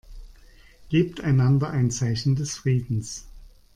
Gebt einander ein Zeichen des Friedens.